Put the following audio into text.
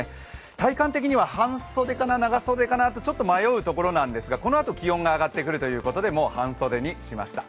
体感的には半袖かな、長袖かなとちょっと迷うところですがこのあと気温が上がってくるということでもう半袖にしました。